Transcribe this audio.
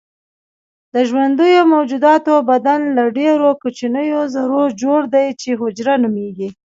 د ژوندیو موجوداتو بدن له ډیرو کوچنیو ذرو جوړ دی چې حجره نومیږي